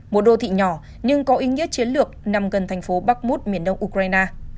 một đô thị nhỏ nhưng có ý nghĩa chiến lược nằm gần thành phố bakmut miền đông ukraine